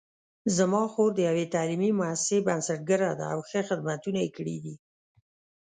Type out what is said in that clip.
زما خور د یوې تعلیمي مؤسسې بنسټګره ده او ښه خدمتونه یې کړي دي